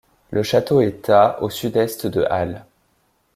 Le château est à au sud-est de Halle.